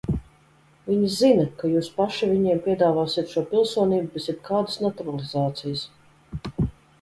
Viņi zina, ka jūs paši viņiem piedāvāsiet šo pilsonību bez jebkādas naturalizācijas.